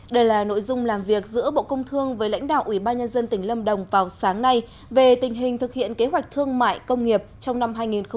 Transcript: đây là nội dung làm việc giữa bộ công thương với lãnh đạo ủy ban nhân dân tỉnh lâm đồng vào sáng nay về tình hình thực hiện kế hoạch thương mại công nghiệp trong năm hai nghìn hai mươi